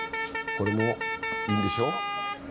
これもいいんでしょう。